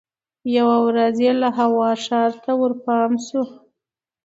یوه ورځ یې له هوا ښار ته ورپام سو